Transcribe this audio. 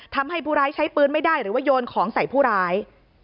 ทำให้ผู้ร้ายใช้ปืนไม่ได้หรือว่าโยนของใส่ผู้ร้าย